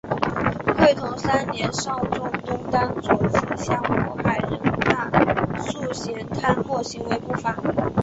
会同三年上奏东丹左次相渤海人大素贤贪墨行为不法。